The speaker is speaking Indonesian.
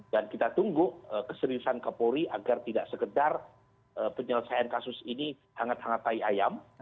dan kita tunggu keseriusan kapolri agar tidak sekedar penyelesaian kasus ini hangat hangatai ayam